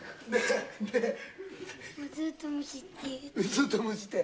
「ずっとむしって。